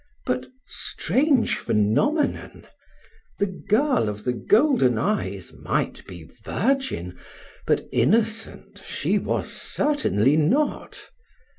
But, strange phenomenon! The girl of the golden eyes might be virgin, but innocent she was certainly not.